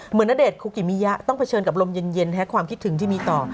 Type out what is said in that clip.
ณเดชนคุกิมิยะต้องเผชิญกับลมเย็นแท้ความคิดถึงที่มีต่อ